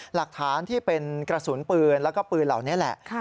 หลักฐานที่เป็นกระสุนปืนแล้วก็ปืนเหล่านี้แหละ